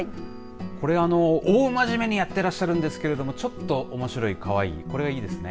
これ大真面目にやってらっしゃるんですけどもちょっとおもしろい、かわいいこれがいいですね。